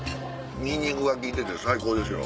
ニンニクが効いてて最高ですよ。